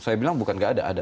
saya bilang bukan nggak ada